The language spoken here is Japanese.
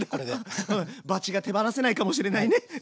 バチが手放せないかもしれないね。